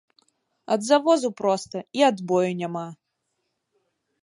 Ад завозу проста і адбою няма.